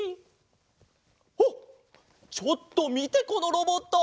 あっちょっとみてこのロボット！